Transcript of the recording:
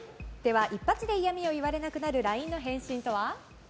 一発で嫌味を言われなくなるＬＩＮＥの返信とは？